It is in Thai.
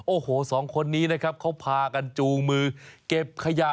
โอ้โหสองคนนี้นะครับเขาพากันจูงมือเก็บขยะ